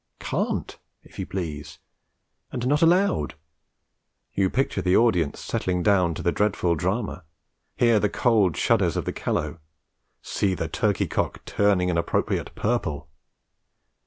'Can't,' if you please, and 'not allowed'! You picture the audience settling down to the dreadful drama, hear the cold shudders of the callow, see the turkey cock turning an appropriate purple.